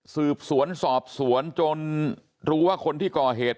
สืบสวนสอบสวนจนรู้ว่าคนที่ก่อเหตุ